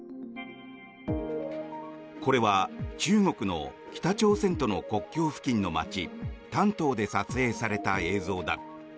これは、中国の北朝鮮との国境付近の街、丹東で撮影された映像だ。